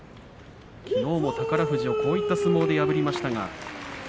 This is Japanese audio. きのうも宝富士をこういった相撲で破りました。